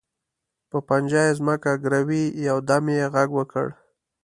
په پنجه یې ځمکه ګروي، یو دم یې غږ وکړ.